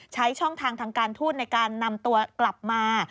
ช่องทางทางการทูตในการนำตัวกลับมา